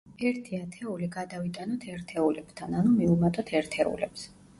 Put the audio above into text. ერთი ათეული გადავიტანოთ ერთეულებთან, ანუ მივუმატოთ ერთეულებს.